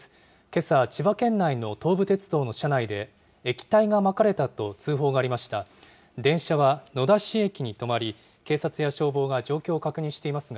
けさ、千葉県内の東武鉄道の車内で、液体がまかれたと通報がありました。